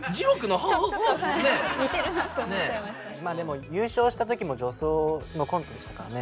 でも優勝した時も女装のコントでしたからね。